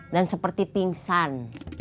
dan seperti pingsan